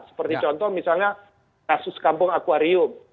seperti contoh misalnya kasus kampung akwarium